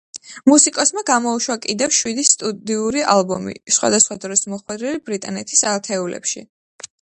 მუსიკოსმა გამოუშვა კიდევ შვიდი სტუდიური ალბომი, სხვადასხვა დროს მოხვედრილი ბრიტანეთის ათეულებში.